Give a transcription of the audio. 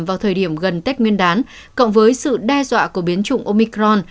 vào thời điểm gần tết nguyên đán cộng với sự đe dọa của biến chủng omicron